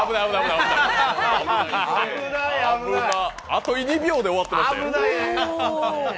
あと２秒で終わってましたよ。